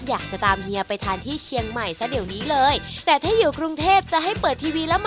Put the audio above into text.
อย่างละจากเลยค่ะผม